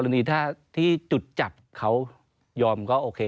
กลณีที่จุดจับเขายอมก็โอเค